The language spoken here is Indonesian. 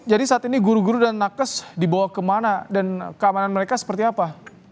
jadi saat ini guru guru dan nakas dibawa kemana dan keamanan mereka seperti apa